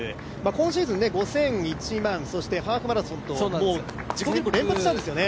今シーズン５０００、１００００そしてハーフマラソンと自己記録を連発してるんですよね。